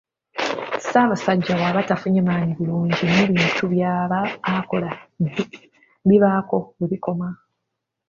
Ssaabasajja bwaba tafunye maanyi bulungi n'ebintu byaba akola bibaako webikoma.